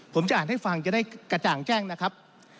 ผมจะอ่านให้ฟังจะได้กระจ่างแจ้งนะครับ